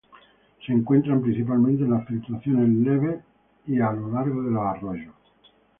Se encuentran principalmente en las filtraciones leves y a lo largo de los arroyos.